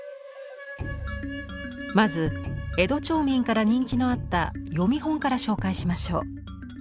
まず江戸町民から人気のあった読み本から紹介しましょう。